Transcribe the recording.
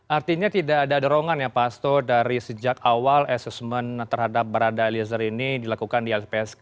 artinya tidak ada dorongan ya pak asto dari sejak awal asesmen terhadap barada eliezer ini dilakukan di lpsk